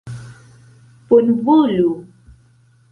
bonvolu